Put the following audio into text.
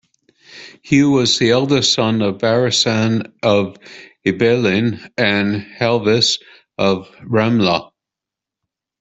Hugh was the eldest son of Barisan of Ibelin and Helvis of Ramla.